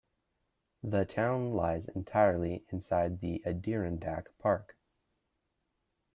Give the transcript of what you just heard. The town lies entirely inside the Adirondack Park.